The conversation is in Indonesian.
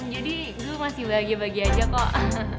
jadi gue masih bahagia bahagia aja kok